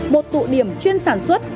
một tụ điểm chuyên sản xuất